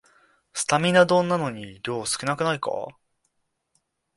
スタミナ丼なのに量少なくないか